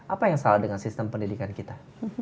apa yang salah dengan sistem pendidikan kita